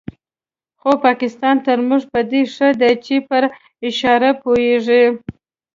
خو پاکستان تر موږ په دې ښه دی چې پر اشاره پوهېږي.